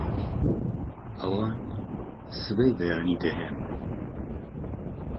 ئەوان سبەی بەیانی دەهێن